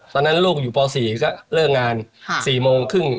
ตอนนั้นลูกอยู่ป๔ก็เลิกงาน๔โมงครึ่ง